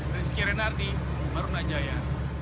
rizky renardi baruna jaya